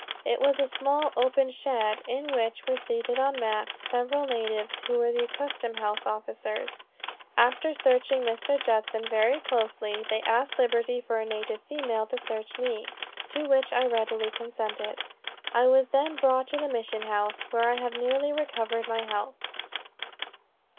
It was a small open shed, in which were seated on mats, several natives, who were the custom house officers. After searching Mr. Judson very closely, they asked liberty for a native female to search me, to which I readily consented. I was then brought to the mission house, where I have nearly recovered my health."